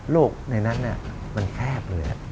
โลกในนั้นเนี่ยมันแคบเหลือ